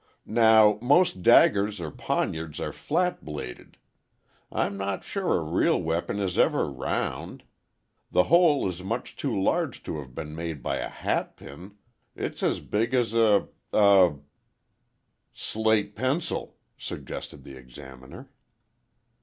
Now, most daggers or poniards are flat bladed. I'm not sure a real weapon is ever round. The hole is much too large to have been made by a hatpin—it is as big as a—a—" "Slate pencil," suggested the Examiner.